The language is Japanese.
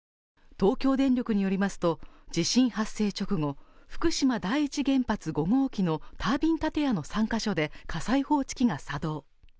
東京電力によりますと、地震発生直後、福島第１原発５号機のタービン建屋の３ヶ所で火災報知器が作動。